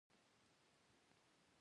دا د کمیسیون د رییس تر اثر لاندې ده.